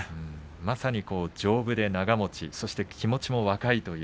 まさに丈夫で長もちそして気持ちも若いという。